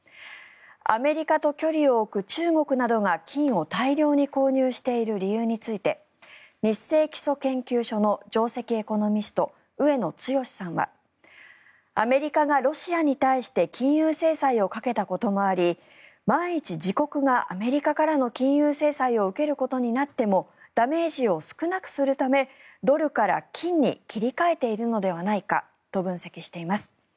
アメリカと距離を置く中国などが金を大量に購入している理由についてニッセイ基礎研究所の上席エコノミスト上野剛志さんはアメリカがロシアに対して金融制裁をかけたこともあり万一、自国がアメリカからの金融制裁を受けることになってもダメージを少なくするためドルから金に切り替えているのではないかと分析しています。